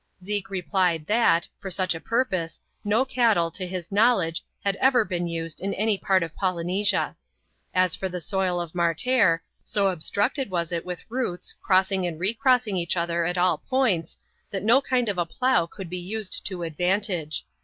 Zeke replied, that, for such a purpose, no cattle, to his. knowledge, had ever been used in any part of Polynesia. Aa for the soil of Martair, so obstructed was it with roots, cross ing and recrossing each other at all points, that no kind of a plough could be used to advantage.